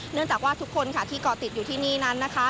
เนื่องจากว่าทุกคนที่ก่อติดอยู่ที่นี่นั้นนะคะ